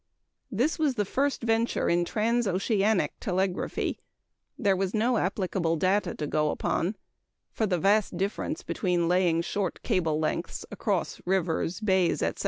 This was the first venture in transoceanic telegraphy. There was no applicable data to go upon; for the vast difference between laying short cable lengths across rivers, bays, etc.